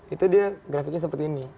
itu dia grafiknya seperti ini